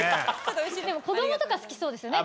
でも子どもとか好きそうですよね